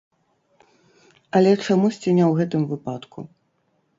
Але, чамусьці, не ў гэтым выпадку.